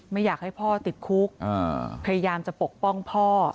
ไม่อยากให้พ่อติดคุกพยายามจะปกป้องพ่อ